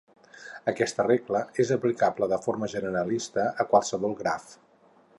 Aquesta regla és aplicable de forma generalista a qualsevol graf.